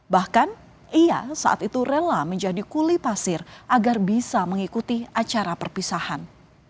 bahkan ia saat itu rela menjadi kuli pasir agar bisa mengikuti acara perpisahan